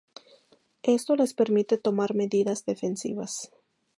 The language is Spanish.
Esto les permite tomar medidas defensivas.